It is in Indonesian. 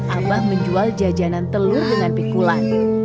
abah menjual jajanan telur dengan pikulan